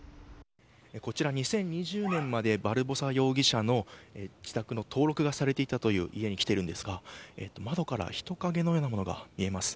こちら２０２０年までバルボサ容疑者の自宅の登録がされていたという家に来ているんですが窓から人影のようなものが見えます。